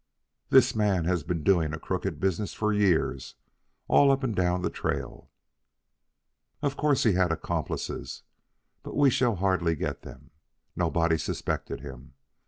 "This man has been doing a crooked business for years, all up and down the trail. Of course he had accomplices, but we shall hardly get them. Nobody suspected him.